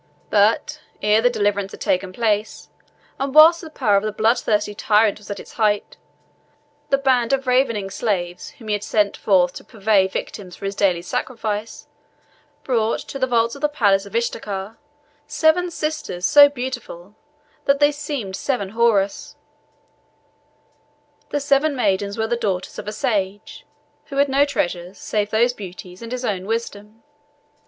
But ere that deliverance had taken place, and whilst the power of the bloodthirsty tyrant was at its height, the band of ravening slaves whom he had sent forth to purvey victims for his daily sacrifice brought to the vaults of the palace of Istakhar seven sisters so beautiful that they seemed seven houris. These seven maidens were the daughters of a sage, who had no treasures save those beauties and his own wisdom.